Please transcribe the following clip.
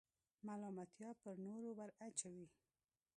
ملامتیا پر نورو وراچوئ.